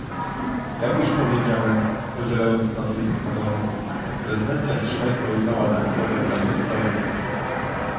Jak już powiedziałem, podzielając stanowisko Parlamentu, prezydencja hiszpańska uznała ten problem za podstawowy